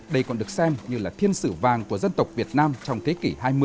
đây còn được xem như là thiên sử vàng của dân tộc việt nam trong thế kỷ hai mươi